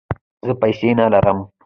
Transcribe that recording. زه پیسې نه لرم